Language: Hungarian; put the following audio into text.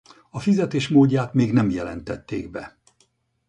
A fizetés módját még nem jelentették be.